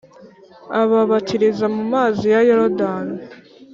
ababatiriza mu mazi ya Yorodani